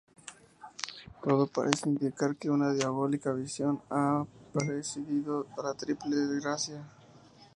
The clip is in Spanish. Todo parece indicar que una diabólica visión ha precedido a la triple desgracia.